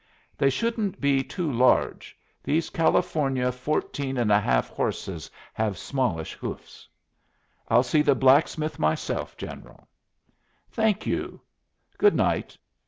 "They shouldn't be too large. These California fourteen and a half horses have smallish hoofs." "I'll see the blacksmith myself, General." "Thank you. Good night.